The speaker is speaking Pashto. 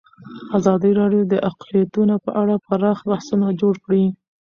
ازادي راډیو د اقلیتونه په اړه پراخ بحثونه جوړ کړي.